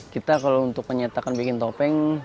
kita kalo untuk penyetakan bikin topeng